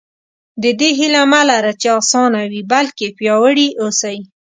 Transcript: د دې هیله مه لره چې اسانه وي بلکې پیاوړي اوسئ.